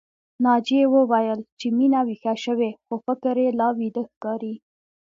ناجيې وويل چې مينه ويښه شوې خو فکر يې لا ويده ښکاري